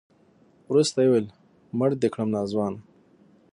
وروسته يې وويل مړ دې کړم ناځوانه.